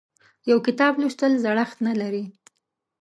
یو کتاب لوستل زړښت نه لري.